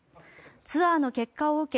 ツアーの結果を受け